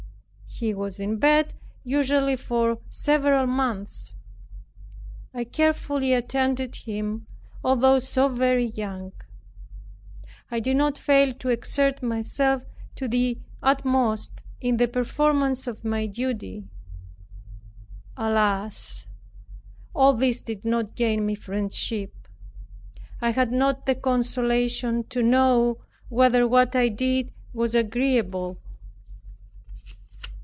He was in bed usually for several months. I carefully attended him although so very young. I did not fail to exert myself to the utmost in the performance of my duty. Alas! all this did not gain me friendship. I had not the consolation to know whether what I did was agreeable.